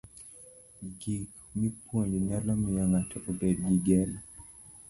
Gik mipuonjo nyalo miyo ng'ato obed gi geno.